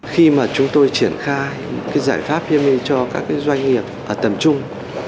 khi mà chúng tôi triển khai giải pháp hiemi cho các doanh nghiệp ở tầm trung